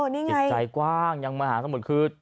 จิตใจกว้างยังมาหาทำหมดคืน